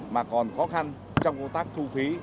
mà còn khó khăn trong công tác thu phí